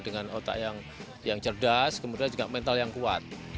dengan otak yang cerdas kemudian juga mental yang kuat